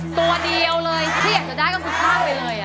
ตัวเดียวเลยที่อยากจะได้ก็คือพลาดไปเลย